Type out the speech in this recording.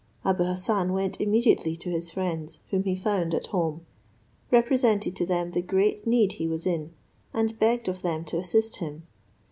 Abou Hassan went immediately to his friends, whom he found at home; represented to them the great need he was in, and begged of them to assist him.